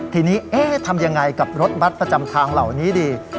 ทีนี้ทำยังไงกับรถบัตรประจำทางเหล่านี้ดี